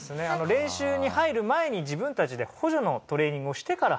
練習に入る前に自分たちで補助のトレーニングをしてから入ります